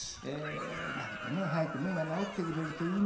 だけどね早く目が治ってくれるといいんだけども。